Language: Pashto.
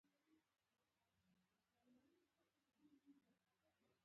همداشان د توري کلا تاریخي